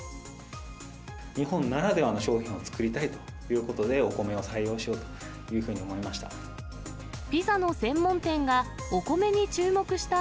日本ならではの商品を作りたいということで、お米を採用しようというふうに思いました。